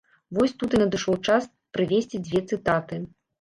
Вось тут і надышоў час прывесці дзве цытаты.